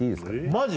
マジ？